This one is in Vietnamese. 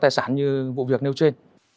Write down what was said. tài sản như vụ việc nêu trên